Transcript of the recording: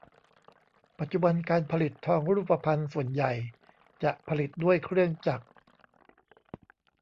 ปัจจุบันการผลิตทองรูปพรรณส่วนใหญ่จะผลิตด้วยเครื่องจักร